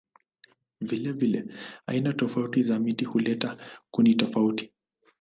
Vilevile aina tofauti za miti huleta kuni tofauti.